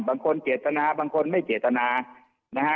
บางคนเจตนาบางคนไม่เจตนานะฮะ